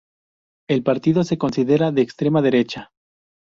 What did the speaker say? El partido se considera de extrema derecha.